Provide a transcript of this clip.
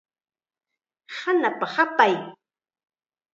Hanapa hapay.